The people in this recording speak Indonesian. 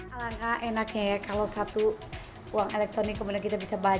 alangkah enaknya ya kalau satu uang elektronik kemudian kita bisa bayar